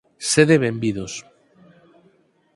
Sede benvidos.